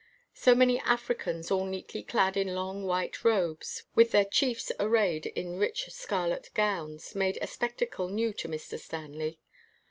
So many Africans all neatly clad in long white robes, with their chiefs arrayed in rich scarlet gowns, made a spec tacle new to Mr. Stanley.